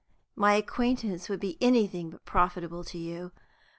"My acquaintance would be anything but profitable to you.